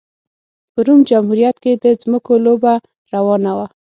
په روم جمهوریت کې د ځمکو لوبه روانه وه